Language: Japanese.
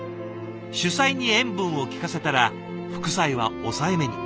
主菜に塩分をきかせたら副菜は抑えめに。